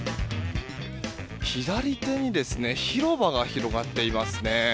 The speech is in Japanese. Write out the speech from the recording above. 左手に広場が広がっていますね。